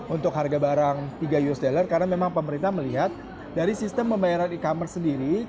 untuk harga barang tiga usd karena memang pemerintah melihat dari sistem pembayaran e commerce sendiri